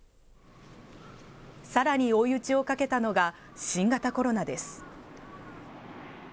さらに追い打ちをかけたのが、新型コロナです。